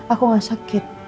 aku gak sakit